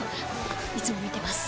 いつも見てます